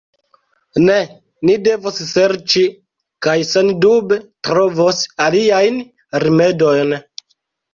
Ne, ni devos serĉi, kaj sendube trovos, aliajn rimedojn.